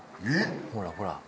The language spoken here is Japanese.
ほらほら。